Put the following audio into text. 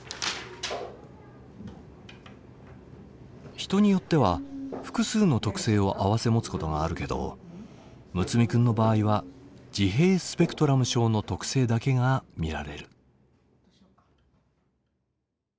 人によっては複数の特性を併せ持つことがあるけど睦弥君の場合は自閉スペクトラム症の特性だけが見られる。